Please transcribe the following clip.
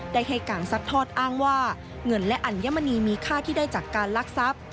ได้ให้การซัดทอดอ้างว่าเงินและอัญมณีมีค่าที่ได้จากการลักทรัพย์